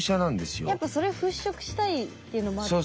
やっぱそれ払拭したいっていうのもあった？